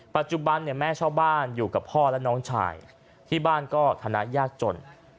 ปัจจุบันแม่ช่อบ้านอยู่กับพ่อและน้องชายที่บ้านก็ธนายาจน